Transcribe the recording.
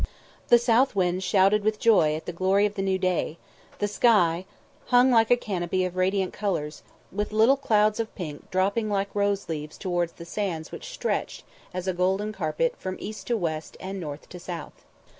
The south wind shouted with joy at the glory of the new day; the sky hung like a canopy of radiant colours, with little clouds of pink dropping like rose leaves towards the sands which stretched, as a golden carpet, from east to west and north to south.